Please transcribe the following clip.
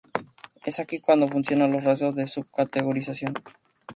Es aquí cuando funcionan los "rasgos de sub-categorización".